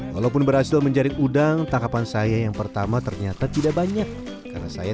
walaupun berhasil menjaring udang tangkapan saya yang pertama ternyata tidak banyak karena saya